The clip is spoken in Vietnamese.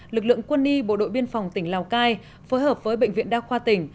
lực lượng quân y bộ đội biên phòng tỉnh lào cai phối hợp với bệnh viện đa khoa tỉnh